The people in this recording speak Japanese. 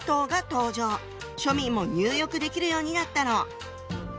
庶民も入浴できるようになったの。